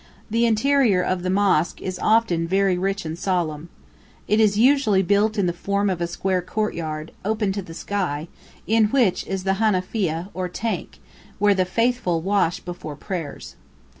The interior of the mosque is often very rich and solemn. It is usually built in the form of a square courtyard, open to the sky, in which is the "hanafieh," or tank, where "the faithful" wash before prayers.